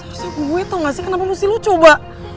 saya harusnya bubuk gue tau nggak sih kenapa mesti lo coba